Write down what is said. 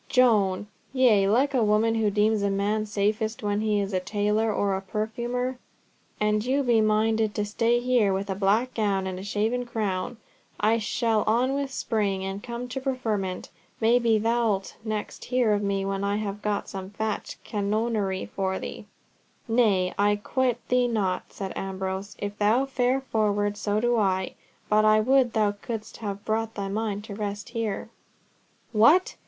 "Joan! Yea, like a woman, who deems a man safest when he is a tailor, or a perfumer. An you be minded to stay here with a black gown and a shaven crown, I shall on with Spring and come to preferment. Maybe thou'lt next hear of me when I have got some fat canonry for thee." "Nay, I quit thee not," said Ambrose. "If thou fare forward, so do I. But I would thou couldst have brought thy mind to rest there." "What!